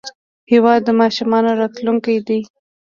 هېواد د ماشومانو راتلونکی دی.